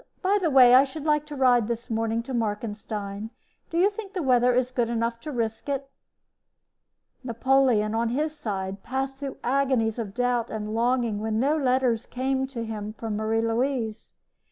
By the way, I should like to ride this morning to Markenstein. Do you think the weather is good enough to risk it?" Napoleon, on his side, passed through agonies of doubt and longing when no letters came to him from Marie Louise.